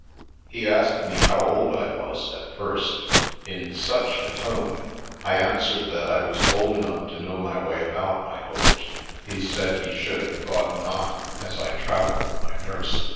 " He asked me how old I was, at first — in such a tone ! I answered that I was old enough to know my way about, I hoped. He said he should have thought not, as I travelled with my nurse.